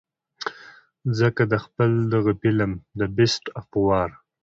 ځکه د خپل دغه فلم The Beast of War